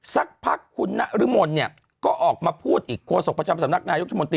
สักพักคุณนริมลก็ออกมาพูดอีกโฆษกประชาบสำนักนายุทธ์มนติ